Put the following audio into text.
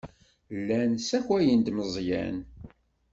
Llan ssakayen-d Meẓyan.